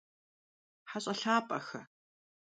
Heş'e lhap'exe!